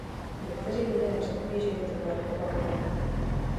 Někteří lidé řekli, že je to vlajková loď.